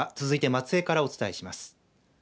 続いて松江からお伝えします。